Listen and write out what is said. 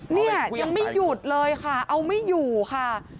เนี่ยยังไม่หยุดเลยค่ะเอาไม่อยู่ค่ะ